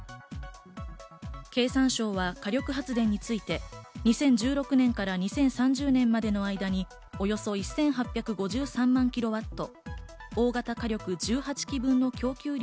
経産省は火力発電について２０１６年から２０３０年までの間におよそ１８５３万キロワット。